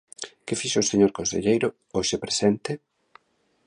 ¿Que fixo o señor conselleiro –hoxe presente–?